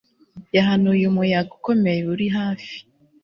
yahanuye umuyaga ukomeye uri hafi